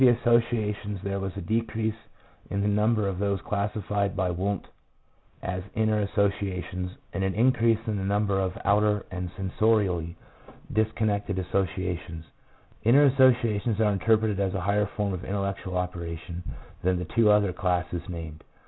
associations there was a decrease in the number of those classified by Wundt as 'inner' associations, and an increase in the number of 'outer' and sensorially disconnected associations. " Inner associations are interpreted as a higher form of intellectual operation than the two other classes named.